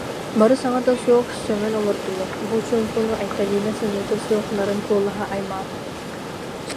Бары саҥата суох сөҥөн олордулар, бу чуумпуну Айталина сэниэтэ суох нарын куолаһа аймаата: